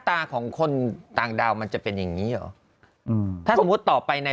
ตาของคนต่างดาวมันจะเป็นอย่างงี้เหรออืมถ้าสมมุติต่อไปใน